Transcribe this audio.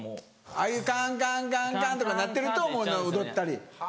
ああいうカンカンカンカンとか鳴ってるともう踊ったり。